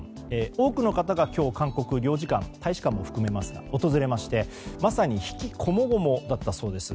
多くの方が今日韓国領事館、大使館を訪れまして、まさに悲喜こもごもだったそうです。